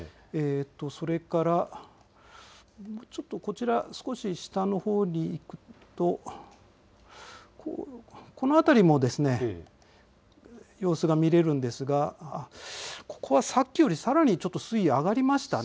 それから少し下のほうにいくとこの辺りも様子が見られるんですがここはさっきよりさらにちょっと水位が上がりましたね。